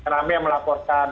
rame yang melaporkan